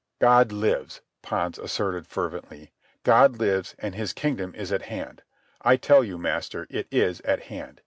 "God lives," Pons asserted fervently. "God lives, and his kingdom is at hand. I tell you, master, it is at hand.